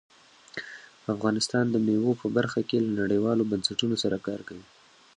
افغانستان د مېوو په برخه کې له نړیوالو بنسټونو سره کار کوي.